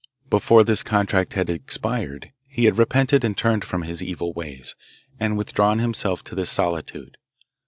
Before this contract had expired he had repented and turned from his evil ways, and withdrawn himself to this solitude.